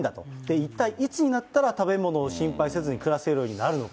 一体、いつになったら食べ物を心配せずに暮らせるようになるのか。